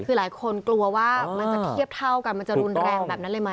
คือหลายคนกลัวว่ามันจะเทียบเท่ากันมันจะรุนแรงแบบนั้นเลยไหม